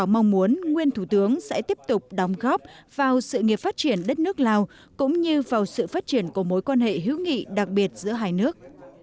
mong muốn nguyên thủ tướng sẽ tiếp tục đóng góp vào sự nghiệp phát triển đất nước lào cũng như vào sự phát triển của mối quan hệ hữu nghị đặc biệt giữa hai nước